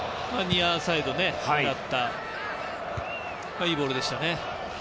ニアサイドを狙ったいいボールでした。